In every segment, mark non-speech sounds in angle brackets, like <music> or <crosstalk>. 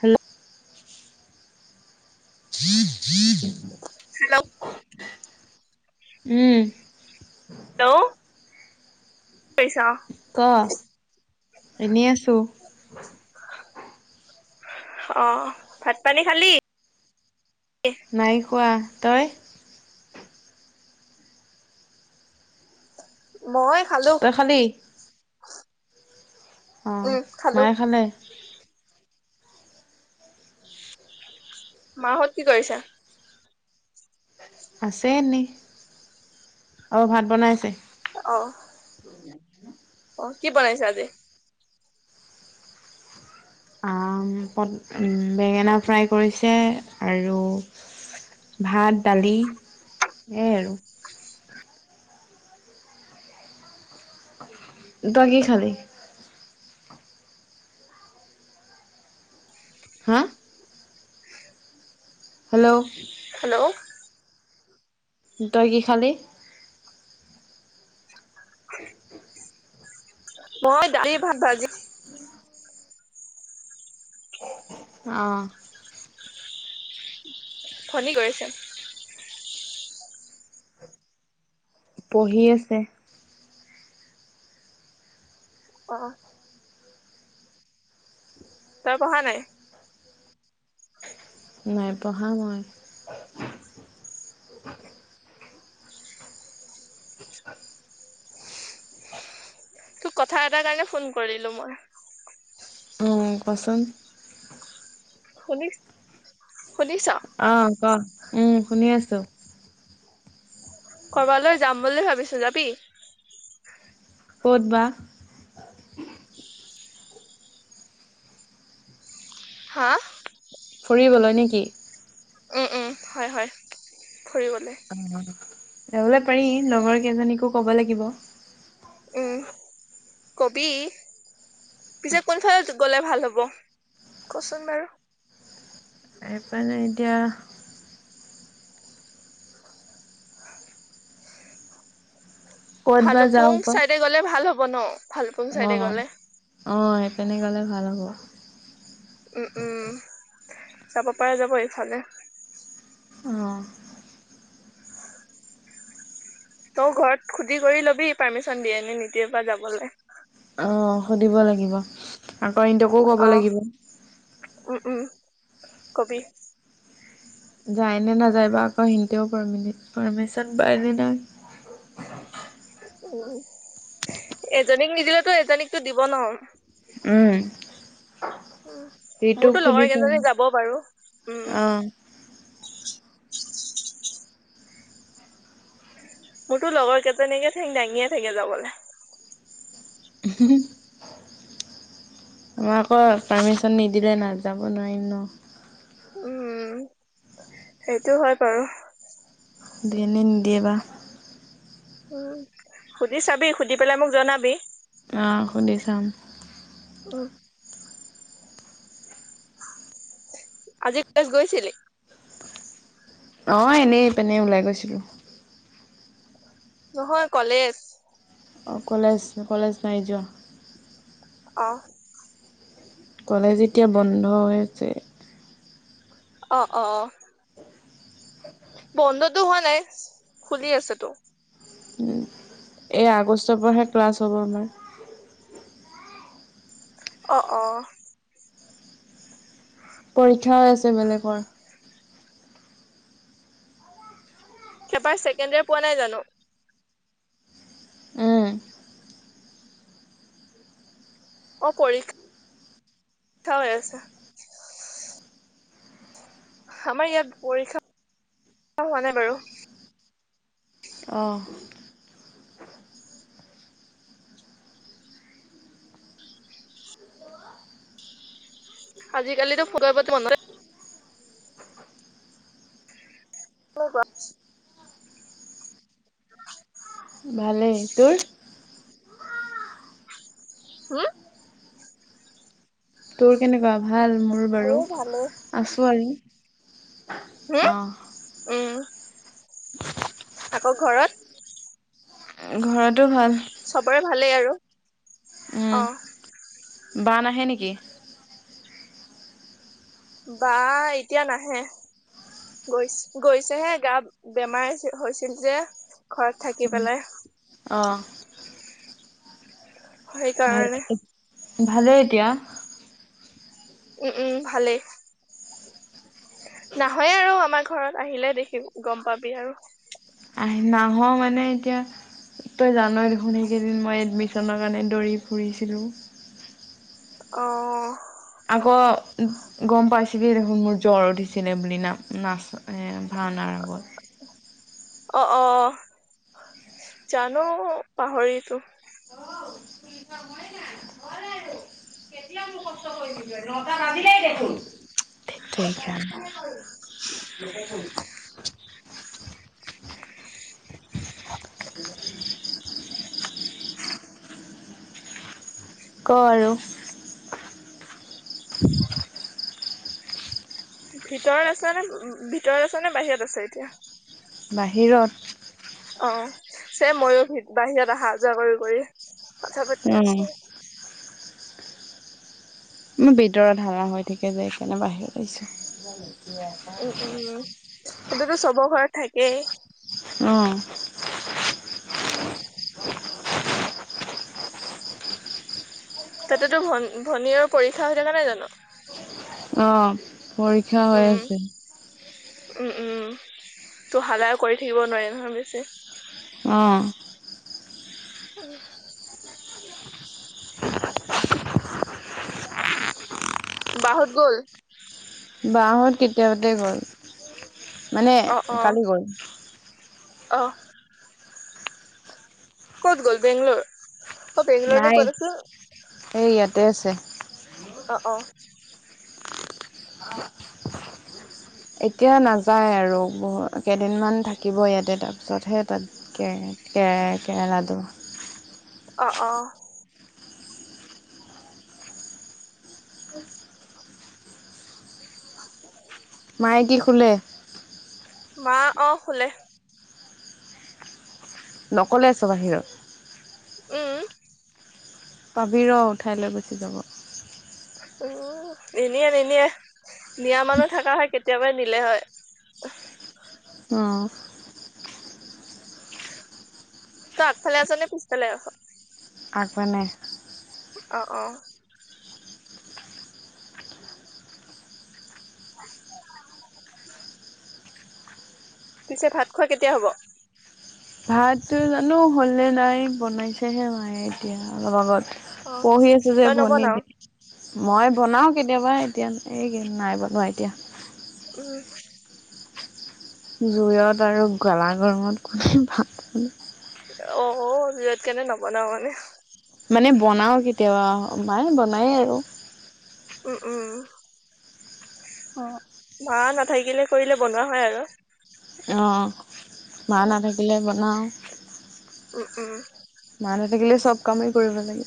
Hello <inaudible> hello. উম। Hello. কি কৰিছ। ক, এনেই আছো। অঁ, ভাত পানী খালি। নাই খোৱা তই। মই খালো তই খালি। অঁ, উম খালো মায়ে খালে। মা হত কি কৰিছে। আছে এনেই, অঁ ভাত বনাই আছে। অঁ। অঁ, কি বনাইছে আজি। উম্, বেঙেনা ফ্ৰাই কৰিছে আৰু ভাত, দালি সেইয়াই আৰু। তই কি খালি। হা। <unintelligible> Hello hello. তই, কি খালি। মই দালি, ভাত, ভাজি। অ ফোন, কৰিছে। পঢ়ি আছে। অহ। তই পঢ়া নাই। নাই পঢ়া মই। তোক কথা এটাৰ কাৰণে ফোন কৰিলো মই। উম, কোৱাচোন। শুনিছ, শুনিছ। অহ, ক, উম, শুনি আছো। কৰবালৈ যাম বুলি ভাবিছো যাবি। ক'ত বা। হয় <unintelligible> হা, ফুৰিবলৈ নে কি। উম, উম, হয়, হয় ফুৰিবলে উম <unintelligible> যাবলৈ পাৰি। লগৰ কেইজনীকো কব লাগিব। উম, কবি,, পিছে কোনফালত গ'লে ভাল হ'ব কচোন বাৰু। সেইকাৰণে এতিয়া। ক'ত বা ভালুকপুং যাওঁ আকৌ চাইডে গ'লে ভাল হ'ব। হ'ব ন। ভালুপুং অ চাইডে গ'লে অ স তেনে গলে ভাল হ'ব উম উম যাব পৰা যাব ইফালে আহঁ তই ঘৰত খুটি কৰি লবি পাৰ্মিশন দিয়ে ন নিতিয়ৰ পৰা যাবলৈ অ সুধিব লাগিব কৰিটকো ক'ব অ লাগিব উম উম কবি যায় নে নাযায় বা আকৌ সিতেও প পাৰ্মিচন বাই ন ন উ এজনীক নিদিলেেতো এজনীকতো দিব নহয় উম উ ঋতুক মোৰতো সুধি লগৰ চাম কেইজী যাব পাৰো উম অ মোৰতো লগৰ কেইজনীকে থে দাঙিয়ে থাকে যাবলৈ আমাক আকৌ পাৰ্মিচন নিদিলে নাযাব নোৱাৰিম ন উম সেইটো হয় বাৰু দনিি দিয়বা উম সুধি চাবি সুধি পেলাই মোক জনাবি আহ সুধি চাম উম আজি ক্লাছ গৈছিলি অ এনেই পিনেই ওলাই গৈছিলোঁ নহয় কলেজ অঁ কলেজ কলেজ নাই যোৱা আহ কলেজ এতিয়া বন্ধ আছে অ অ অ বন্ধটোো হোৱা নাই খুলি আছেতো এই আগষ্টৰ পৰাহে ক্লাছ হ'ব আমাৰ অ অ পৰীক্ষাও আছে বেলেগৰ সেপাৰ ছেকেণ্ডাৰ পোৱা নাই জানো উম, অ পৰীক্ষা থ হৈ আছে আমাৰ ইয়াত পৰীক্ষা হোৱা নাই বাৰু অ' আজিকালিতো ফটো প্ৰতি মন ব ক ভালেই তোৰ হা তোৰ কেনেুৱ ভাল মোৰ বাৰু মোৰো ভালে আছো আি হম আহ উম আকৌ ঘৰত ঘৰতো ভাল চবৰে ভালেই আৰু উম অ বাহে নেকি বা এতিয়া নাহে গৈ গৈছেহে গা বেমাৰ হৈছিল যে ঘৰত থাকি পেলাই অ' সেই ভাল কাৰণে ভালে ভালেই এতিয়া উম উম ভালেই নাহয়ে আৰু আমাৰ ঘৰত আহিলে দেখি গম পাবি আৰু আহ নাহ মানে এতিয়া তই জান দেখোন সেইকেইদিন মই এডমি্যনৰ কাৰণে দৌৰি ফুৰিছিলোঁ অ আকৌ গম পাইছিলি দেখোন মোৰ জ্বৰ উঠিছিলে বুলি না নাচ এ ভাওনাৰ আগত অ অ জানো পাহৰিতো অ কি খই নাই হোৱা নাই আৰু কেতিয়া মু কষ্ট কৰি দ দিয়ে ন উ ক আৰু ভিতৰত আছ নে ভিতৰত আছ নে বাহিৰত আছে এতিয়া বাহিৰত অ চ ময়ো বাহিৰত অহা যোৱা কৰি কৰি কথা পাতি উম। আছো মই ভিতৰত হালা হৈ থাকে যে সকাৰণে বাহিৰ আহছো উম উম উম তন্ততো চবৰ ঘৰত থঠাই এই অঁ উম তাতেতো ভন ভনীৰ পৰীক্ষা হৈ থকাে নাই জানো আহ পৰীক্ষা হৈ উম আছে তো হালায় কৰি থাকিব নোৱাৰি নহয় বেছি অঁ উ বাহত গ'ল বাঁহত কেতিয়াওাতে গ'ল মানে কালি গল অ'ফ ক'ত গ'ল বেংলোৰ অ বেংলুৰিনে নাই কৰচ এই ইয়াতে আছে অ অ এতিয়া নাযায় আৰু বু কেইদিনমান থাকিব ইয়াতে তাৰপিছতহে তাত কে-কে-কেৰেলাডু অ অ মাইকী খোলে? মা অ, শুলে। নকলে আছ বাহিৰত উম। পাবি ৰ, উঠাইলৈ গুচি যাব। উ, নিনিয়ে নিনিয়ে নিয়া মানুহ থকা হয় কেতিয়াবাই নিলে হয়। অ তই আগফালে আছ নে পিছফালে আছ? আগবানে অ, অ পিছে ভাত খোৱা কেতিয়া হ'ব? ভাতো জানো হলনে নাই, বনাইছেহে মায়ে এতিয়া অলপ আগত। অ পঢ়ি আছো যে তই ভনী নবনাও মই বনাওঁ কেতিয়াবা এতিয়া এই কি নাই বনোৱা এতিয়া উম জুইত আৰু গেলা গৰমত কোনে ভাত অ যত কেনে নবনাও মানে মানে বনাওঁ কেতিয়াবা মায়ে বনাইয়ে আৰু। উম উম, মা নাথাকিলে কৰিলে বনোৱা হয় আৰু। অ'। মা নাথাকিলে বনাওঁ। উম উম। মা নাথাকিলে চব কামেই কৰিব লাগে।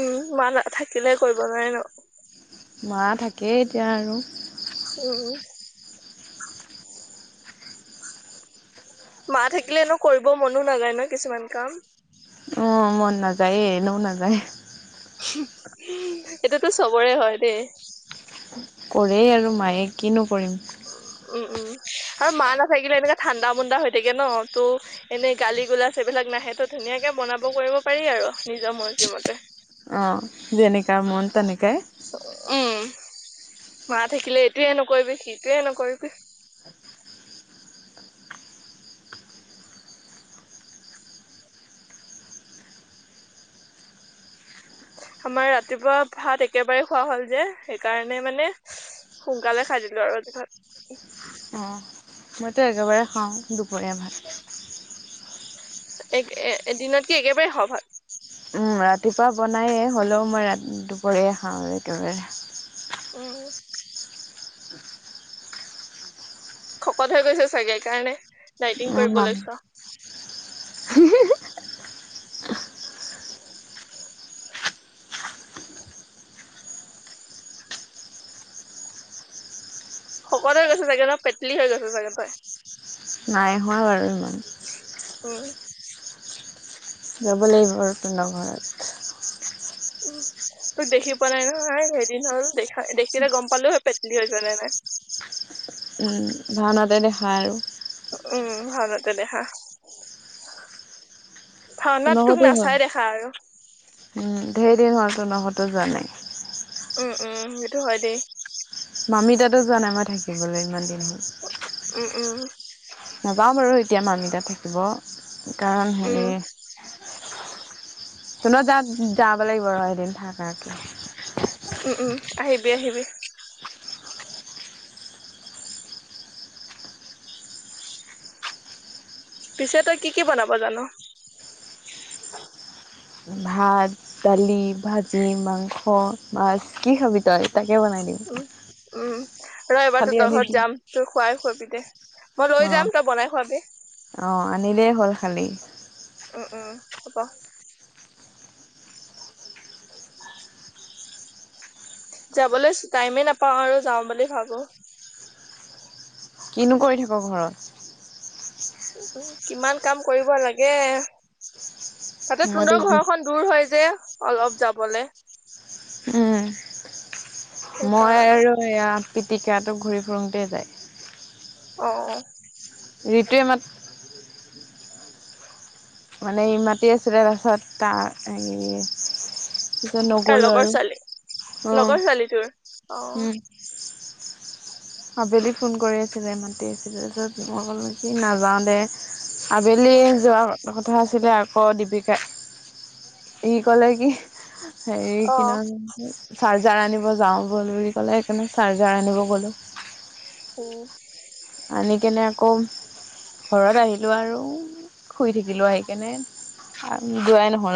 উম, মা নাথাকিলে কৰিব লাগে ন? মা থাকেই এতিয়া আৰু। উম মা থাকিলে এনেও কৰিব মনো নাযায় ন কিছুমান কাম। অ' মন নাযায় এনেও নাযায়। এটোটোতো চবৰে হয় দেই। কৰে আৰু মায়ে কিনো কৰিম উম, উম। আৰু মা নাথাকিলে এনেকাে ঠাণ্ডা মুণ্ডা হৈ থাকে ন ত' এনেই গালি গোলাচ এইবিলাক নাহে তো' ধুনীয়াকে বনাব কৰিব পাৰি আৰু নিজৰ মৰজিমতে। তেনেকৈ উম, মা থাকিলে এইটোয়ে নকৰিবি সেইটোয়ে নকৰিবি। আমাৰ ৰাতিপুৱা ভাত একেবাৰে খোৱা হল যে সেইকাৰণে মানে সোনকালে খাই দিলো আৰু এতিয়া। অ মইতো একেবাৰে খাওঁ দুপৰীয়া ভাত। এ, এদিনত কি একেবাৰে হয় ভাত? উম, ৰাতিপুৱা বনায়েই হ'লেও মই ৰা-দুপৰীয়া খাওঁ একেবাৰে। উম। শকত হৈ গৈছে চাগে সেইকাৰণে। ডাইটিং অঁ কৰিব <inaudible> লৈছ শকত হৈ গৈছে চাগে ন পেটলী হৈ গৈছে চাগে তই? নাই হোৱা বাৰু ইমান। উম। যাব লাগিব আৰু তহতঁৰ ঘৰত। উম তোক দেখি পোৱা নাই নহয় কেইদিন হ'ল দেখাই দেখিলে গম পালো হয় পেটলি হৈছ নে নাই। উম, ভাওনাতে দেখা আৰু। উম ভাওঁনাতে দেখা। তোনৰ ভাওনাত তোক ঘৰতো হ'ল নাচাই দেখা আৰু। <unintelligible> উম উম, সেইটো হয় দেই। মামি তাতো যোৱা নাই মই থাকিবলৈ ইমান দিন। হ'ল উম উম। নাযাওঁ বাৰু এতিয়া মামি তাত থাকিব। কাৰণ হেৰি উম যা যাব লাগিব আৰু। দুদিন থাকাকে। উম উম, আহিবি আহিবি। পিছে তই কি কি বনাব জান? ভাত, দালি, ভাজি, মাংস, মাছ কি খাবি তই? তাকে বনাই দিম। উম, উম, ৰ এবাৰ খালি তহঁতৰ ঘৰত আনিবি যাম, বতোৰ খুৱাই খুৱাবি দে। মই অ লৈ যাম, তই বনাই খোৱাবি। অ আনিলেই হ'ল খালী। উম উম হ'ব। যাবলৈ টাইমে নাপাও আৰু যাওঁ বুলি ভাবো। কিনো কৰি থাক ঘৰত? উম, কিমান কাম কৰিব লাগে। তাতে মইতো তুন্দৰ ঘৰখন দূৰ হয় য যে অলপ যাবলে উম মই সেইকাৰণে আৰু ইয়াত পিটিকাটো ঘূৰি ফুুৰোঁতে যায়। অঁ, অঁ। ঋটুৱে মাত মানে ই মাতি আছিলে তাৰপিছত তা হেই কাৰ লগৰ ছোৱালী? অ লগৰ ছোৱালী তোৰ? অঁ। উম আবেলি ফোন কৰি আছিলে, মাতি আছিলে, তাপিছত মই কলো কি নাযাওঁ দে। আবেলি অ', যোৱা কথা আছিলে আকৌ দীপিকাই, ই ক'লে কি সেৰি কি অ', নাম চাৰ্জাৰ আনিব যাওঁ বুলি ক'লে সেইকাৰণে চাৰ্জাৰ আনিব গ'লোঁ। উম। আনি কেনে আকৌ ঘৰত আহিলোঁ আৰু শুই থাকিলো আহি কেনে, যোৱাই নহ'ল।